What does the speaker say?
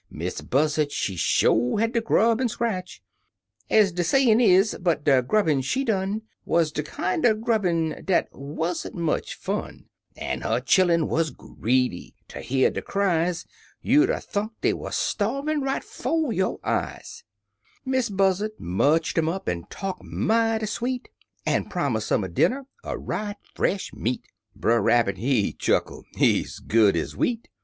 Miss Buzzard she sho had to grub an' scratch, Ez de sayin' is, but de grubbin* she done Wuz de kinder grubbin' dat wa'n't much fun; An' her chillun wuz greedy; ter hear der cries You'd 'a' thunk dey wuz starvin' right 'fo' yo' eyesl Miss Buzzard much'd um up, an' talk mighty sweet. An' promise um a dinner er right fresh meat — Brer Rabbit he chuckle, "Ez good ez wheat!